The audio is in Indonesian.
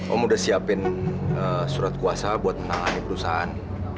om udah siapin surat kuasa buat menangani perusahaan